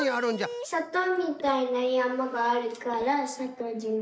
さとうみたいなやまがあるからさとうじま。